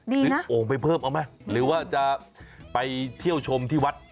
โอ่งไปเพิ่มเอาไหมหรือว่าจะไปเที่ยวชมที่วัด